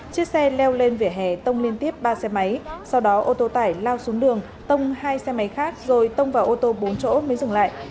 chiếc xe leo lên vỉa hè tông liên tiếp ba xe máy sau đó ô tô tải lao xuống đường tông hai xe máy khác rồi tông vào ô tô bốn chỗ mới dừng lại